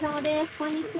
こんにちは。